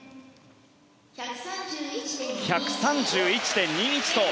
１３１．２１。